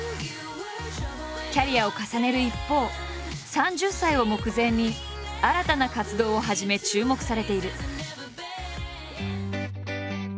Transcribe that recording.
キャリアを重ねる一方３０歳を目前に新たな活動を始め注目されている。